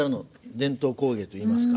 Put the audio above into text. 伝統工芸といいますか。